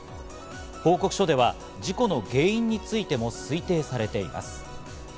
報告書では事故の原因についても推定されています。